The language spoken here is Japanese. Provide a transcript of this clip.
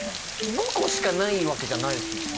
５個しかないわけじゃないですもんね